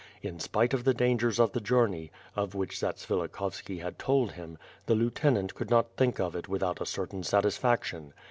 In spite of the dangers of the journey, of which Zatsvilikhovski had told him, the lieutenant could not think of it without a certain satisfaction.